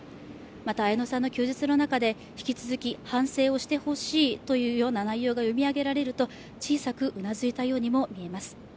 また、綾野さんの供述の中で引き続き反省をしてほしいというような内容が読み上げられると小さなうなずいたようにも見えます。